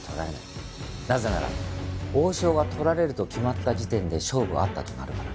なぜなら王将が取られると決まった時点で勝負あったとなるから。